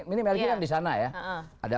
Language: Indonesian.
ini melky yang di sana ya